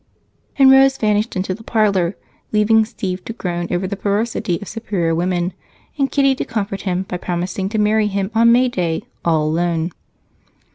And Rose vanished into the parlor, leaving Steve to groan over the perversity of superior women and Kitty to comfort him by promising to marry him on May Day "all alone."